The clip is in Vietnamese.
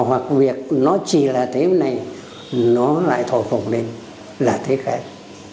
hoặc việc nó chỉ là thế này nó lại thổi phồng lên là thế khác